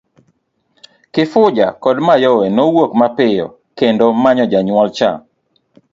Kifuja kod Mayowe nowuok mapiyo kendo manyo janyuol cha.